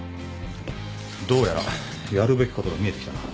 どうやらやるべきことが見えてきたな。